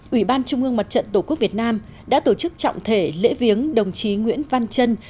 ủy ban trung ương mặt trận tổ quốc việt nam đã tổ chức trọng thể lễ viếng đồng chí nguyễn văn trân